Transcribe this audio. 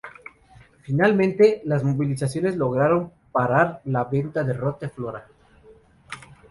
Finalmente, las movilizaciones lograron parar la venta de Rote Flora.